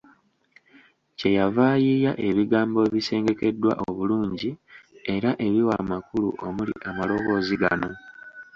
Kye yava ayiiya ebigambo ebisengekeddwa obulungi era ebiwa amakulu omuli amaloboozi gano.